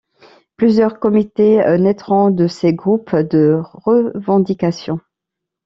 Plusieurs comités naîtrons de ces groupes de revendication.